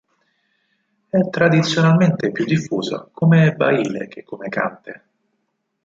È tradizionalmente più diffusa come baile che come cante.